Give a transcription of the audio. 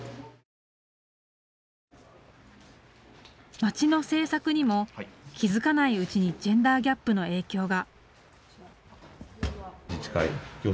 町の政策にも気付かないうちにジェンダーギャップの影響が。